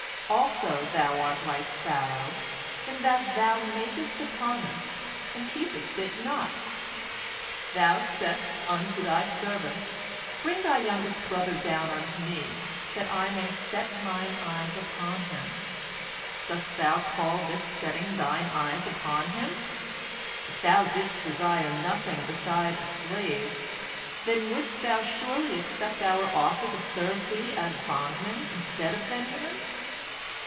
Also thou art like Pharaoh in that thou makest a promise and keepest it not. Thou saidst unto thy servants, Bring thy youngest brother down unto me, that I may set mine eyes upon him. Dost thou call this setting thine eyes upon him? If thou didst desire nothing beside a slave, then wouldst thou surely accept our offer to serve thee as bondmen instead of Benjamin.